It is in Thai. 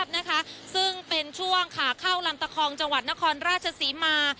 มิตรภาพนะคะซึ่งเป็นช่วงค่าเข้าลำตะคองจังหวัดนครราชศรีมา